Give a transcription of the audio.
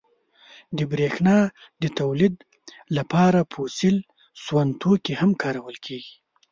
• د برېښنا د تولید لپاره فوسیل سون توکي هم کارول کېږي.